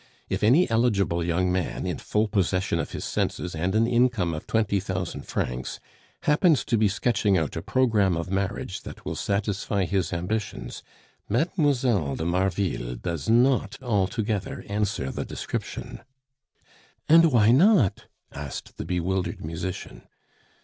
If any eligible young man, in full possession of his senses and an income of twenty thousand francs, happens to be sketching out a programme of marriage that will satisfy his ambitions, Mlle. de Marville does not altogether answer the description " "And why not?" asked the bewildered musician.